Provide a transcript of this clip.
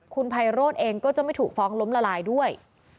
คุณไพโรธเองก็จะไม่ถูกฟ้องล้มละลายด้วย